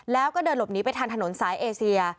แล้วก็เดินหลบหนีไปทางถนนสายเอเซีย